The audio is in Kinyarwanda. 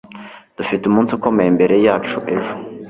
Dufite umunsi ukomeye imbere yacu ejo